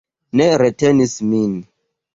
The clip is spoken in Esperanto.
Ne retenis min.